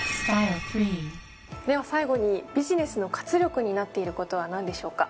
では最後にビジネスの活力になっていることは何でしょうか？